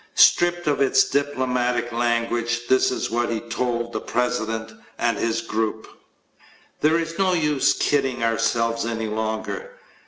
Stripped of its diplomatic language, this is what he told the President and his group: "There is no use kidding ourselves any longer.